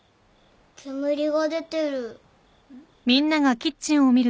煙が出てる。